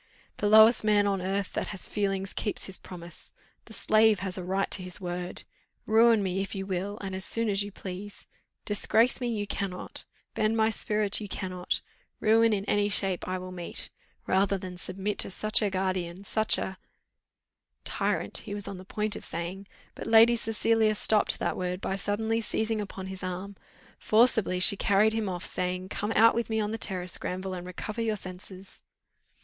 The lowest man on earth that has feeling keeps his promise. The slave has a right to his word! Ruin me if you will, and as soon as you please; disgrace me you cannot; bend my spirit you cannot; ruin in any shape I will meet, rather than submit to such a guardian, such a " Tyrant he was on the point of saying, but Lady Cecilia stopped that word by suddenly seizing upon his arm: forcibly she carried him off, saying "Come out with me on the terrace, Granville, and recover your senses."